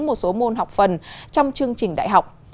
một số môn học phần trong chương trình đại học